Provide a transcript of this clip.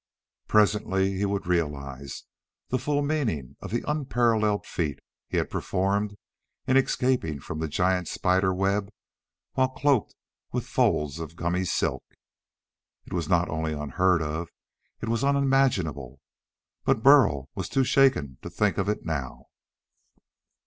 Presently he would realize the full meaning of the unparalleled feat he had performed in escaping from the giant spider web while cloaked with folds of gummy silk. It was not only unheard of; it was unimaginable! But Burl was too shaken to think of it now.